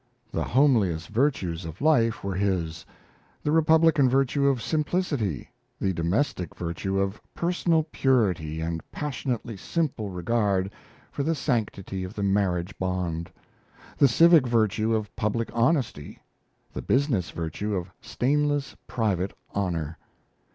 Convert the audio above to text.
The homeliest virtues of life were his: republican virtue of simplicity; the domestic virtue of, personal purity and passionately simple regard for the sanctity of the marriage bond; the civic virtue of public honesty; the business virtue of stainless private honour.